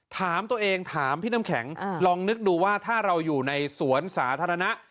ถามตัวเองถามพี่น้ำแข็งลองนึกดูว่าถ้าเราอยู่ในสวนสาธารณะ